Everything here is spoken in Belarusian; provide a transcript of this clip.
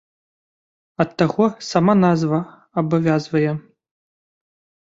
Ад таго сама назва абавязвае.